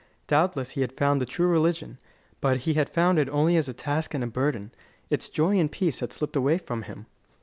Doubtless he had found the true religion, but he had found it only as a task and a burden; its joy and peace had slipped away from him.